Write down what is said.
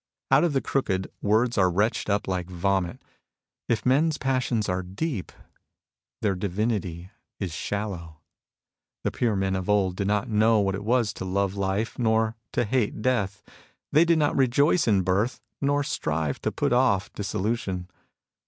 Out of the crooked, words are retched up like vomit. K men's passions are deep, their divinity is shallow. The pure men of old did not know what it was to love life nor to hate death. They did not rejoice in birth, nor strive to put oflE dissolution.